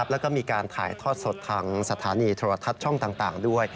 แล้วก็มีการถ่ายทอดสดทางสถานีโทรทัศน์ช่องต่างด้วย